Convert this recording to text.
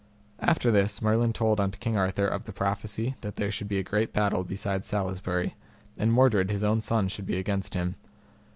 After this Merlin told unto King Arthur of the prophecy that there should be a great battle beside Salisbury, and Mordred his own son should be against him.